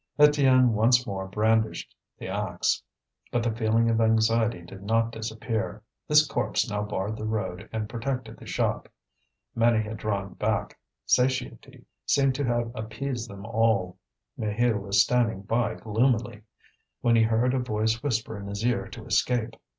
Étienne once more brandished the axe. But the feeling of anxiety did not disappear; this corpse now barred the road and protected the shop. Many had drawn back. Satiety seemed to have appeased them all. Maheu was standing by gloomily, when he heard a voice whisper in his ear to escape.